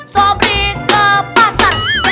sobri ke pasar